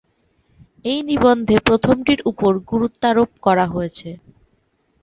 এই নিবন্ধে প্রথমটির উপর গুরুত্বারোপ করা হয়েছে।